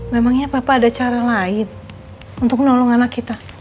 memangnya papa ada cara lain untuk menolong anak kita